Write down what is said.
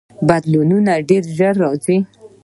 بدلونونه ډیر ژر راځي.